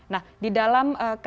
nah di dalam ktp ada apa